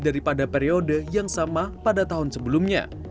daripada periode yang sama pada tahun sebelumnya